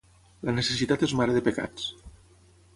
La necessitat és mare de pecats.